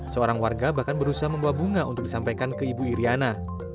seorang warga bahkan berusaha membawa bunga untuk disampaikan ke ibu iryana